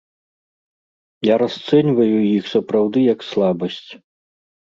Я расцэньваю іх сапраўды як слабасць.